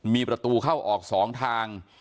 มีประตูเข้าออก๒ทาง